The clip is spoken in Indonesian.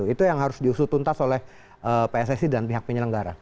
itu yang harus diusut tuntas oleh pssi dan pihak penyelenggara